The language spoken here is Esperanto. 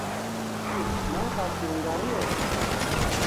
Ĉu mankas Hungario?